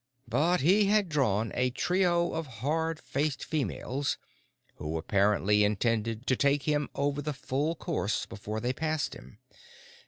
But he had drawn a trio of hard faced females who apparently intended to take him over the full course before they passed him.